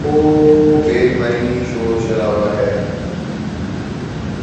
وہ بے معنی شور شرابہ ہے۔